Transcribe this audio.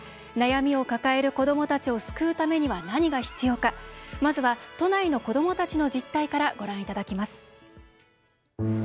悩みを抱える子どもたちを救うためには何が必要かまずは、都内の子どもたちの実態からご覧いただきます。